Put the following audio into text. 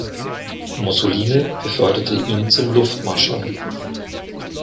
Mussolini beförderte ihn zum Luftmarschall.